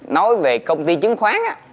nói về công ty chứng khoán